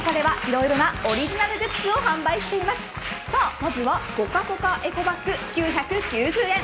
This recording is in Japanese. まずはぽかぽかエコバッグ９９０円